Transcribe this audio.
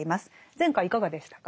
前回いかがでしたか？